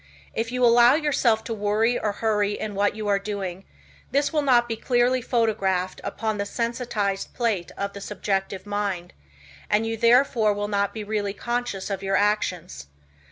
If you allow yourself to worry or hurry in what you are doing, this will not be clearly photographed upon the sensitized plate of the subjective mind, and you therefore will not be really conscious of your actions.